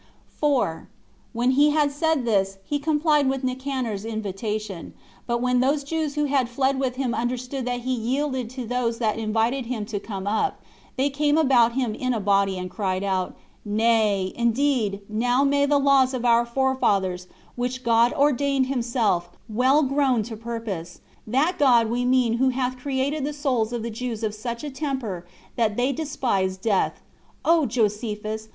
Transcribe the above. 4. When he had said this, he complied with Nicanor's invitation. But when those Jews who had fled with him understood that he yielded to those that invited him to come up, they came about him in a body, and cried out, "Nay, indeed, now may the laws of our forefathers, which God ordained himself, well groan to purpose; that God we mean who hath created the souls of the Jews of such a temper, that they despise death. O Josephus!